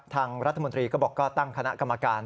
ทางรัฐมนตรีก็บอกก็ตั้งคณะกรรมการ